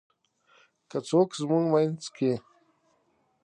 که څوک زمونږ مينځ کې :